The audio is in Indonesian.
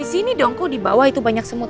disini dong kok di bawah itu banyak semut